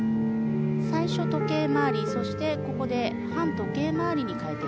最初時計回りそしてここで反時計回りに換えています。